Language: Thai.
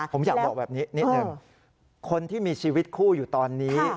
ผมอยากบอกแบบนี้นิดหนึ่งคนที่มีชีวิตคู่อยู่ตอนนี้